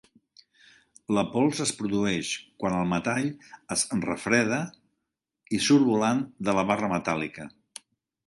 La pols es produeix quan el metall es refreda i surt volant de la barra metàl·lica.